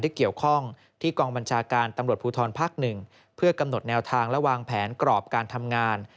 เกี่ยวข้องที่กองบัญชาการตำรวจภูทรภาคหนึ่งเพื่อกำหนดแนวทางและวางแผนกรอบการทำงาน